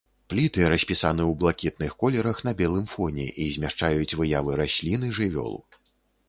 Пліты распісаны ў блакітных колерах на белым фоне і змяшчаюць выявы раслін і жывёл.